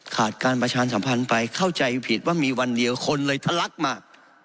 ขาดการประชาสัมพันธ์ไปเข้าใจผิดว่ามีวันเดียวคนเลยทะลักมาก